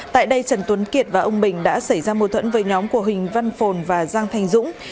tại đây trần tuấn kiệt và ông bình đã xảy ra mâu thuẫn với nhóm của huỳnh văn phồn và giang thành dũng